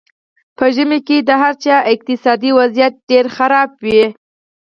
په ژمي کې د هر چا اقتصادي وضیعت ډېر خراب وي.